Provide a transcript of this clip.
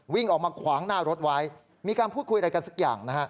วิ่งออกมาขวางหน้ารถไว้มีการพูดคุยอะไรกันสักอย่างนะฮะ